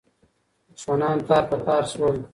دښمنان تار په تار سول.